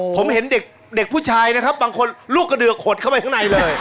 ผมเห็นเด็กผู้ชายนะครับบางคนลูกกระเดือกขดเข้าไปข้างในเลย